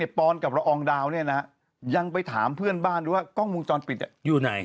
เนี่ยปอนกับละอองดาวเนี่ยนะยังไปถามเพื่อนบ้านหรือว่ากล้องมุมจรปิดอยู่ไหน